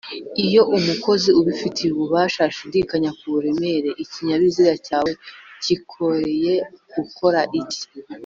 iyo umukozi ubifitiye ububasha ashidikanya kuburemere ikinyabiziga cyawe cyikoreye ukora iki